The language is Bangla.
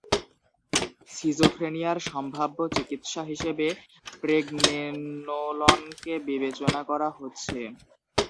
সিজোফ্রেনিয়ার সম্ভাব্য চিকিৎসা হিসেবে প্রেগনেনোলনকে বিবেচনা করা হচ্ছে।